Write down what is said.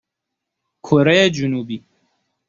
کره جنوبی